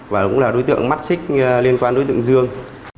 và cũng là đối tượng mắc xích liên quan đối tượng dương